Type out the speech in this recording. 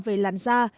về làn da